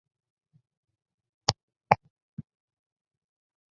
睫毛粗叶木为茜草科粗叶木属下的一个变种。